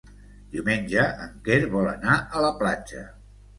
Diumenge en Quer vol anar a la platja.